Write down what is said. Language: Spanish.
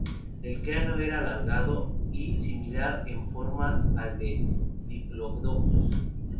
El cráneo era alargado y similar en forma al de "Diplodocus".